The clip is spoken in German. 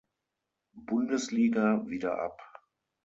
Bundesliga wieder ab.